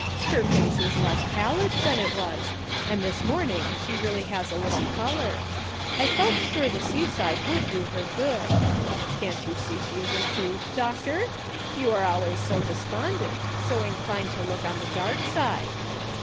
"Her face is less pallid than it was, and this morning she really has a little color. I felt sure the seaside would do her good. Can't you see she is improved. Doctor? You are always so de spondent, so inclined to look on the dark side."